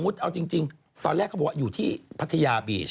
ตอนแรกเขาบอกว่าอยู่ที่พัทยาบีช